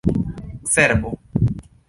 cerbo